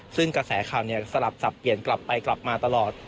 ซึ่งกระแสข่าวสลับสับเปลี่ยนกลับไปกลับมาตลอด